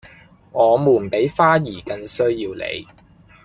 我們比花兒更需要你